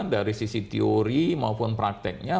dari sisi teori maupun prakteknya